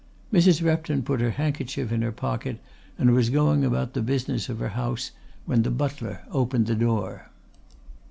Mrs. Repton put her handkerchief in her pocket and was going about the business of her house when the butler opened the door.